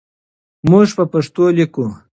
موږ په پښتو لیکو.